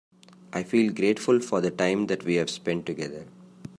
I feel grateful for the time that we have spend together.